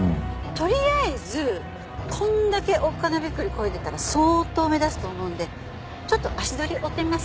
とりあえずこんだけおっかなびっくり漕いでたら相当目立つと思うんでちょっと足取り追ってみます。